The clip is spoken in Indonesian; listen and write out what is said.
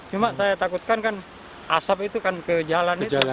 cuma saya takutkan kan asap itu kan ke jalan itu